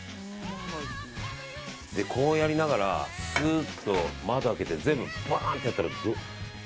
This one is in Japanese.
こうやりながらすーっと窓開けて全部バーンってやったら。